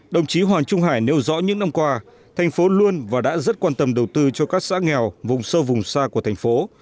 đồng chí hoàng trung hải nêu rõ những năm qua thành phố luôn và đã rất quan tâm đầu tư cho các xã nghèo vùng sâu vùng xa của thành phố